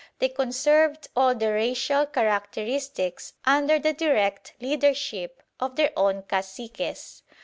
They conserved all their racial characteristics under the direct leadership of their own caciques.